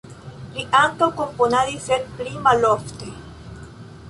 Li ankaŭ komponadis, sed pli malofte.